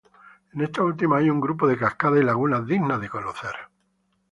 En esta última hay un grupo de cascadas y lagunas dignas de conocer.